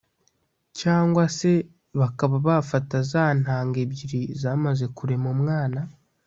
cyangwa se bakaba bafata za ntanga ebyiri zamaze kurema umwana